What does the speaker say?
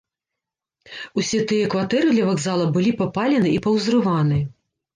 Усе тыя кватэры ля вакзала былі папалены і паўзрываны.